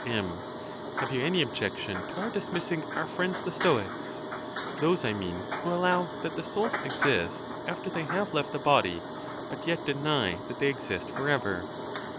M. Have you any objection to our dismissing our friends the Stoics—those, [ mean, who allow that the souls exist after they have left the body, but yet deny that they exist forever